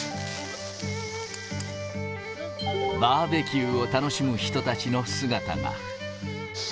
バーベキューを楽しむ人たちの姿が。